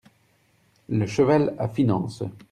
Le Cheval à Phynances.